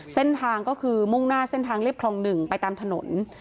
เส้นทางก็คือมุ่งหน้าเส้นทางเรียบคลอง๑ไปตามถนน